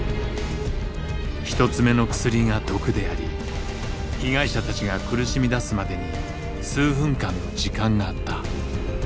１つ目の薬が毒であり被害者たちが苦しみだすまでに数分間の時間があった。